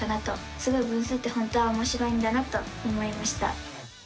すごい分数って本当はおもしろいんだなと思いました！